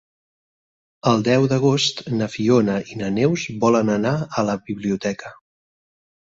El deu d'agost na Fiona i na Neus volen anar a la biblioteca.